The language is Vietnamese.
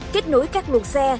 kết nối các luồng xe